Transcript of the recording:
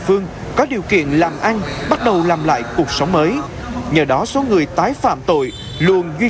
phương có điều kiện làm ăn bắt đầu làm lại cuộc sống mới nhờ đó số người tái phạm tội luôn duy